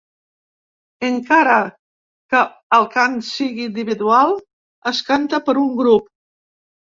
Encara que el cant sigui individual, es canta per un grup.